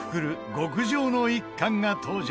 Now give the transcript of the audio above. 極上の一貫が登場